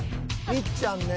「みっちゃんね」